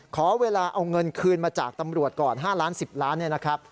ขอเวลาเอาเงินคืนมาจากตำรวจก่อน๕ล้าน๑๐ล้าน